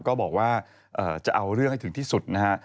ก็บอกว่าจะเอาเรื่องให้ถึงที่สุดนะฮะ